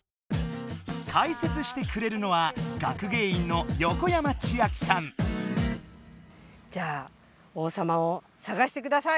解説してくれるのはじゃあ王様をさがしてください。